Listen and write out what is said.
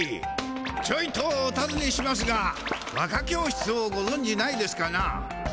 ちょいとおたずねしますが和歌教室をごぞんじないですかな？